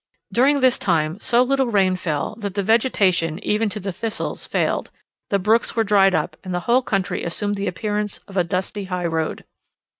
During this time so little rain fell, that the vegetation, even to the thistles, failed; the brooks were dried up, and the whole country assumed the appearance of a dusty high road.